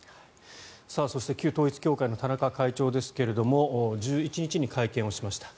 そして旧統一教会の田中会長ですけれども１１日に会見をしました。